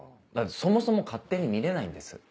そもそも勝手に見れないんです。